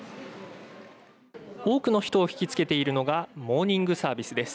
多くの人を引きつけているのがモーニングサービスです。